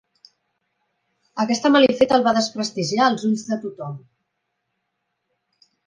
Aquesta malifeta el va desprestigiar als ulls de tothom.